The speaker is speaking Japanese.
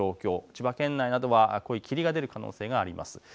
千葉県内は濃い霧が出る可能性があります。